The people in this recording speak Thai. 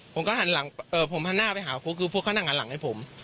ผมก็หันหลังผมหันหน้าไปหาฟุ๊กคือฟุ๊กเขานั่งหันหลังให้ผม